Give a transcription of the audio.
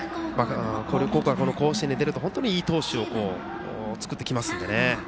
広陵高校は甲子園に出ると本当にいい投手を作ってきますのでね。